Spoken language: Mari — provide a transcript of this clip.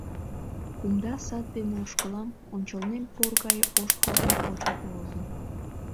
Кумда сад дене ошкылам, ончылнем пор гай ош корно почылт возын.